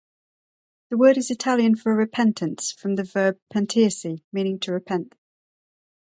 The word is Italian for "repentance," from the verb "pentirsi", meaning to repent.